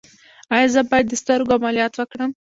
ایا زه باید د سترګو عملیات وکړم؟